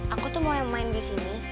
aku tuh mau yang main di sini